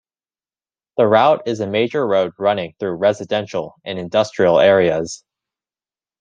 The route is a major road running through residential and industrial areas.